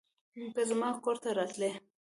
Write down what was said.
که زما کور ته راتلې